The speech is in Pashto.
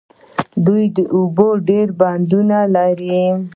دوی د اوبو ډیر بندونه لري.